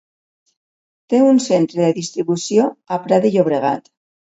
Té un centre de distribució a Prat de Llobregat.